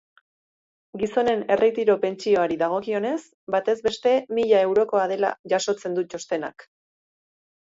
Gizonen erretiro-pentsioari dagokionez, batez beste mila eurokoa dela jasotzen du txostenak.